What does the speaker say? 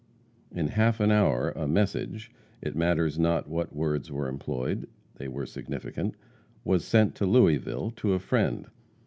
In half an hour a message it matters not what words were employed, they were significant was sent to Louisville, to a friend.